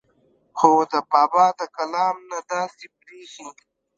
خو د بابا د کلام نه داسې بريښي